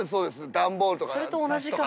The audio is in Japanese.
段ボールとか雑誌とか。